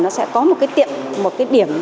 nó sẽ có một cái điểm